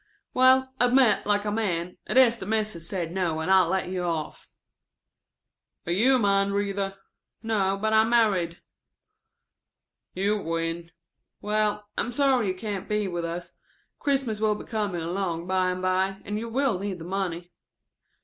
("Well, admit, like a man, it's the Mis'es said no and I'll let you off.") "Are you a mind reader?" ("No, but I'm married.") "You win." ("Well, I'm sorry you can't be with us. Christmas will be coming along bye and bye, and you will need the money.")